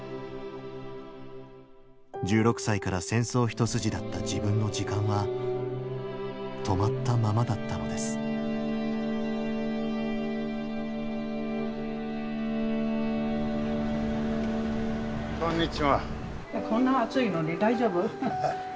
１６歳から戦争一筋だった自分の時間は止まったままだったのですこんにちは。